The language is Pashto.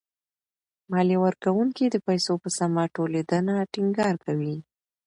ماليه ورکوونکي د پيسو په سمه ټولېدنه ټېنګار کوي.